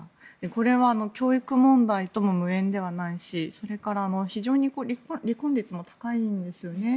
これは教育問題とも無縁ではないしそれから非常に離婚率も高いんですよね。